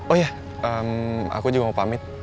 oh ya aku juga mau pamit